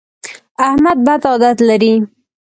احمد بد عادت لري.